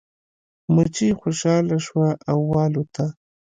مچۍ خوشحاله شوه او والوتله.